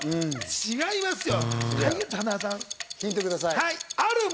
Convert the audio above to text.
違いますよ。